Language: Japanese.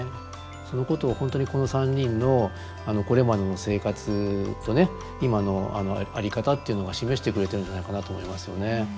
そのことを本当にこの３人のこれまでの生活とね今の在り方っていうのが示してくれてるんじゃないかなと思いますよね。